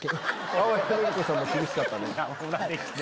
淡谷のり子さんも厳しかったね。